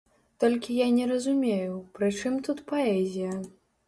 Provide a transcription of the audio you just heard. Толькі я не разумею, пры чым тут паэзія?